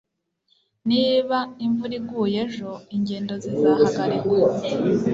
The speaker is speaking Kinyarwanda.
niba imvura iguye ejo, ingendo zizahagarikwa